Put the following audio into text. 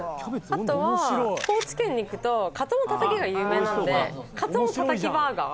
あとは高知県に行くとカツオのたたきが有名なのでカツオのたたきバーガー